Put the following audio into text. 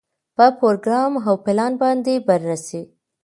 په پروګرام او پلان باندې بررسي.